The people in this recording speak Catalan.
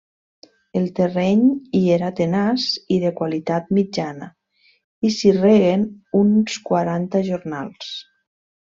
El terreny hi era tenaç i de qualitat mitjana, i s'hi reguen uns quaranta jornals.